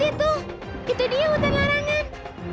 berhenti lihat itu itu dia hutan larangan